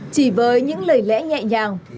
chỉ với những lời lẽ nhẹ nhàng